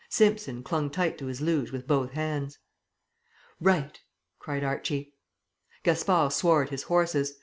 Simpson clung tight to his luge with both hands. "Right!" cried Archie. Gaspard swore at his horses.